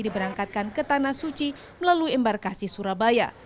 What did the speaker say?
diberangkatkan ke tanah suci melalui embarkasi surabaya